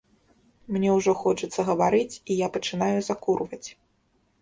Мне ўжо хочацца гаварыць, і я пачынаю закурваць.